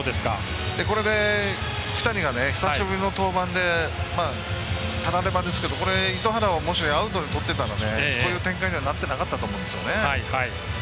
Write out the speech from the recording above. これで、福谷が久しぶりの登板でたらればですけど、糸原をアウトにとっていればこういう展開にはなっていなかったと思うんです。